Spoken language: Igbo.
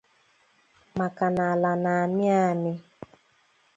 maka na àlà na-amị amị.